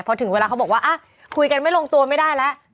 พอถึงเวลาเขาบอกว่าคุยกันไม่ลงตัวไม่ได้แล้ว